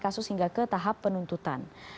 kasus hingga ke tahap penuntutan